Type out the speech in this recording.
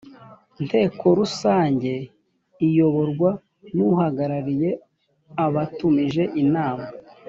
nteko rusange iyoborwa n uhagarariye abatumije inama